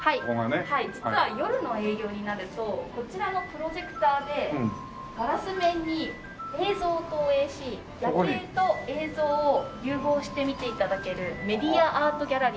実は夜の営業になるとこちらのプロジェクターでガラス面に映像を投影し夜景と映像を融合して見て頂けるメディアアートギャラリー。